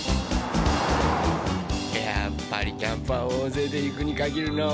やっぱりキャンプは大勢で行くに限るのう。